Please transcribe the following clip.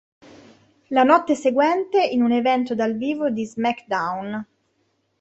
La notte seguente in un evento dal vivo di "SmackDown!